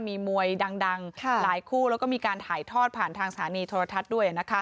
มีมวยดังหลายคู่แล้วก็มีการถ่ายทอดผ่านทางสถานีโทรทัศน์ด้วย